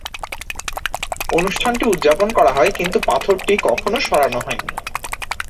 অনুষ্ঠানটি উদযাপন করা হয় কিন্তু পাথরটি কখনও সরানো হয়নি।